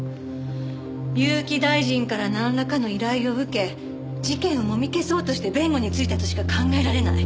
結城大臣からなんらかの依頼を受け事件をもみ消そうとして弁護についたとしか考えられない。